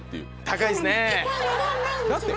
高いですね。